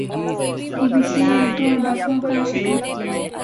ی B C Urdu اور ڈاکٹروں کا شکری